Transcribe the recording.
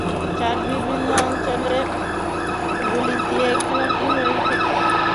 চারটি বিভিন্ন রঙের গুটি দিয়ে এই খেলাটি হয়ে থাকে।